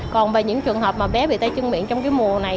còn về những trường hợp mà bé bị tay chân miệng trong cái mùa này